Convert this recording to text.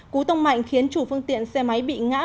cú tông mạnh khiến chủ phương tiện xe máy bị ngã